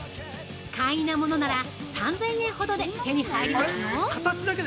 簡易なものなら３０００円ほどで手に入りますよ。